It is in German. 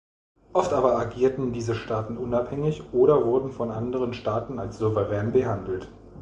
Oft aber agierten diese Staaten unabhängig oder wurden von anderen Staaten als souverän behandelt.